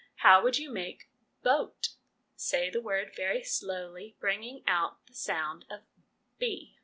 How would you make ' boat' (say the word very slowly, bringing out the sound of b).